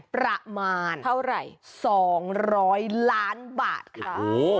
ประมาณเท่าไหร่๒๐๐ล้านบาทค่ะ